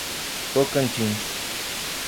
Tocantins